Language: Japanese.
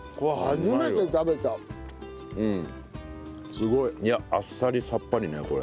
すごい。いやあっさりさっぱりねこれ。